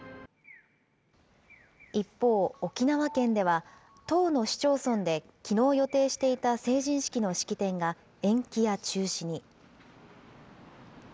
一方、沖縄県では１０の市町村で、きのう予定していた成人式の式典が延期や中止に。